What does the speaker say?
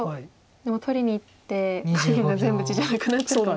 でも取りにいって帰りには全部地じゃなくなってるかも。